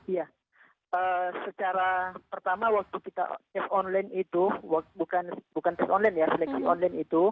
iya secara pertama waktu kita online